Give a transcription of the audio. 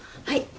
はい。